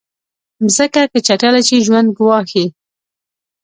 مځکه که چټله شي، ژوند ګواښي.